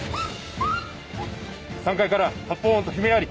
３階から発砲音と悲鳴あり。